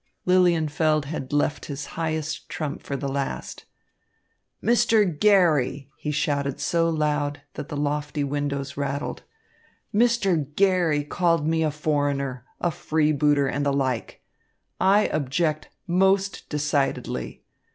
Lilienfeld had left his highest trump for the last. "Mr. Garry," he shouted so loud that the lofty windows rattled, "Mr. Garry called me a foreigner, a freebooter and the like. I object most decidedly.